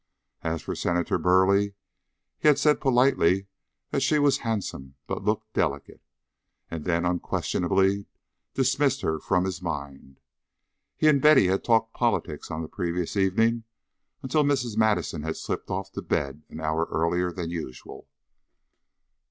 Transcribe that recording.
As for Senator Burleigh, he had said politely that she was handsome but looked delicate, and then unquestionably dismissed her from his mind. He and Betty had talked politics on the previous evening until Mrs. Madison had slipped off to bed an hour earlier than usual.